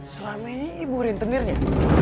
selama ini ibu rentenirnya